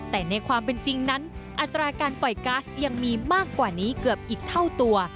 แต่ในความเป็นจริงนั้นอัตราการปล่อยก๊าซยังมีมากกว่านี้เกือบอีกเท่าตัว